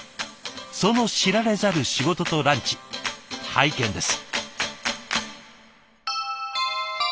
その知られざる仕事とランチ拝見です。